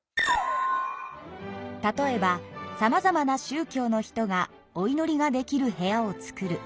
例えばさまざまなしゅう教の人がおいのりができる部屋をつくる。